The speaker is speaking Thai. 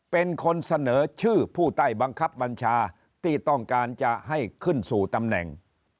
เป็นคนเสนอชื่อผู้ใต้บังคับบัญชาที่ต้องการจะให้ขึ้นสู่ตำแหน่ง